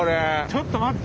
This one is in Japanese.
ちょっと待って。